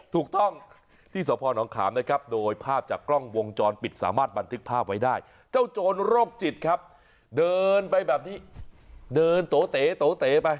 ถูกต้องที่สพนขามนะครับโดยภาพจากกล้องวงจรปิดสามารถบันทึกภาพไว้ได้เจ้าโจรโรคจิตครับเดินไปแบบนี้เดินโตเต๋โตเต๋ไป